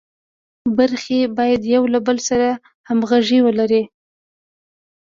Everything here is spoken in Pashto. برخې باید یو له بل سره همغږي ولري.